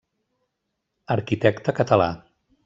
Arquitecte català.